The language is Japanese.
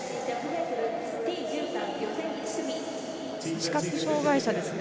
視覚障がい者ですね。